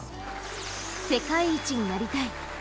世界一になりたい。